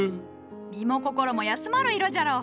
身も心も休まる色じゃろう。